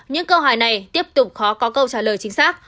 những câu hỏi này tiếp tục khó có câu trả lời chính xác